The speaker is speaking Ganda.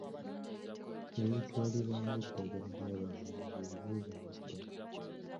Eritwalibwa ng’eddagala ly’abalongo lwe lweza n’ebbombo.